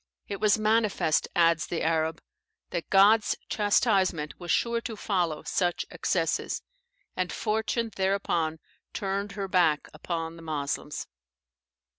It was manifest," adds the Arab, "that God's chastisement was sure to follow such excesses; and fortune thereupon turned her back upon the Moslems."